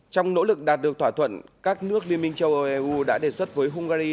trong nỗ lực đạt được thỏa thuận các nước liên minh châu âu eu đã đề xuất với hungary